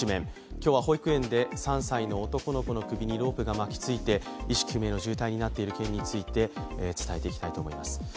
今日は保育園で３歳の男の首にロープが巻きついて意識不明の重体になっている件について伝えていきたいと思います。